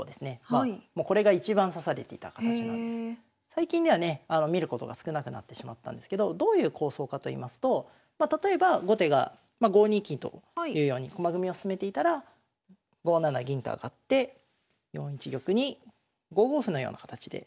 最近ではね見ることが少なくなってしまったんですけどどういう構想かといいますと例えば後手が５二金というように駒組みを進めていたら５七銀と上がって４一玉に５五歩のような形で。